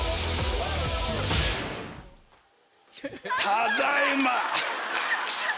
ただいまっ！